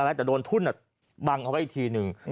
แล้วแต่โดนทุ่นบังเอาไว้อีกทีหนึ่ง